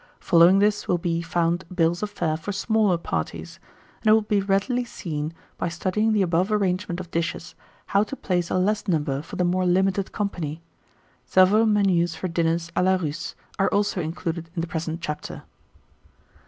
Following this will be found bills of fare for smaller parties; and it will be readily seen, by studying the above arrangement of dishes, how to place a less number for the more limited company. Several menus for dinners à la Russe, are also included in the present chapter.